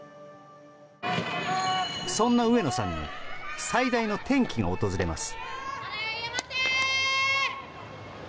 そんな上野さんに最大の転機が訪れます。